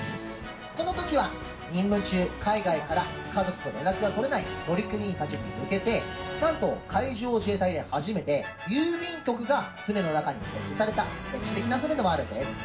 このときわ、任務中、海外から家族と連絡が取れない乗組員たちに向けてなんと海上自衛隊では初めて、郵便局が船の中に設置された歴史的な船でもあるんです。